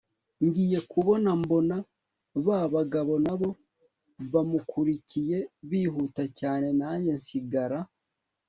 ngiye kubona mbona babagabo nabo bamukurikiye bihuta cyane nanjye nsigara